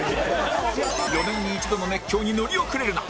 ４年に一度の熱狂に乗り遅れるな！